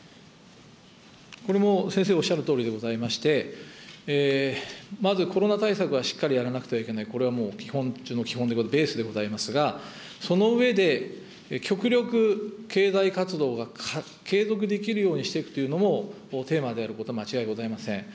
これも、先生おっしゃるとおりでございまして、まずコロナ対策はしっかりやらなくてはいけない、これはもう基本中の基本で、ベースでございますが、その上で、極力、経済活動が継続できるようにしていくというのもテーマであることは間違いございません。